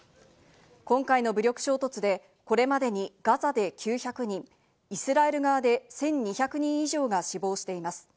今回の武力衝突で、これまでにガザで９００人、イスラエル側で１２００人以上が死亡しています。